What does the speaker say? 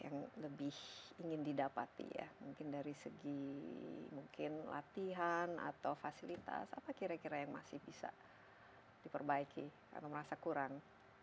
yang lebih ingin didapati ya mungkin dari segi mungkin latihan atau fasilitas apa kira kira yang masih bisa diperbaiki karena merasa kurang